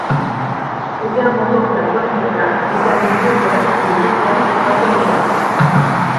Auguin remporte la première étape et termine deuxième des deuxième et troisième étapes.